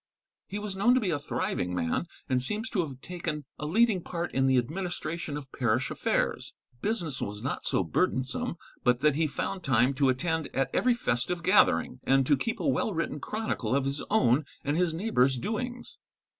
He was known to be a thriving man, and seems to have taken a leading part in the administration of parish affairs. Business was not so burdensome but that he found time to attend at every festive gathering, and to keep a well written chronicle of his own and his neighbours' doings.